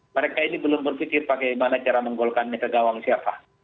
mereka ini belum berpikir bagaimana cara menggolkannya ke gawang siapa